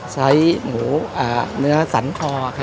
ใช้หมูเนื้อสรรคอครับ